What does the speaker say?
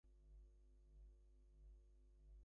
The Suthers have two grandchildren.